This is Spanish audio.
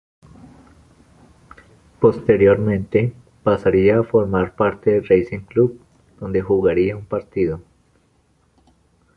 Posteriormente pasaría a formar parte del Racing Club, donde jugaría un partido.